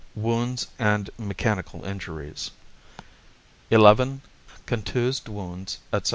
Wounds and Mechanical Injuries 21 XI. Contused Wounds, etc.